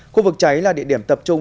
khu vực cháy là địa điểm tập trung